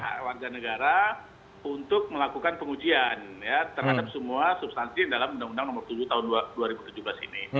hak warga negara untuk melakukan pengujian terhadap semua substansi dalam undang undang nomor tujuh tahun dua ribu tujuh belas ini